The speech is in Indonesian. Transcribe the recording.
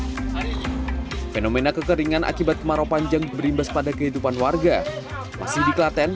hai fenomena kekeringan akibat kemarau panjang berimbas pada kehidupan warga masih di klaten